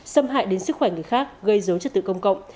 xâm hại đến sức khỏe người khác gây dấu chất tự công cộng